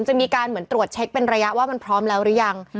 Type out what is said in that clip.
จะมีการเหมือนตรวจเช็คเป็นระยะว่ามันพร้อมแล้วหรือยัง